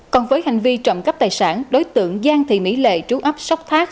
còn với hành vi trọng cấp tài sản đối tượng giang thị mỹ lệ trú ấp sóc thác